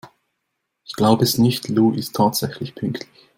Ich glaube es nicht, Lou ist tatsächlich pünktlich!